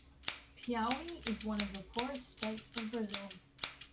Piaui is one of the poorest states of Brazil.